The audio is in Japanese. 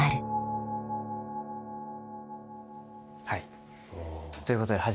はい！